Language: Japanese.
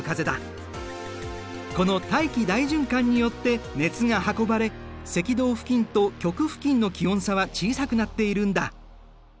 この大気大循環によって熱が運ばれ赤道付近と極付近の気温差は小さくなっているんだ。